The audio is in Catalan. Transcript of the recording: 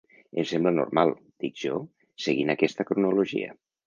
Em sembla normal, dic jo, seguint aquesta cronologia.